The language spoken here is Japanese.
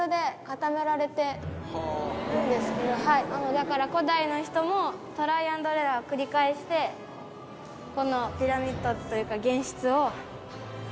だから古代の人もトライ＆エラーを繰り返してこのピラミッドというか。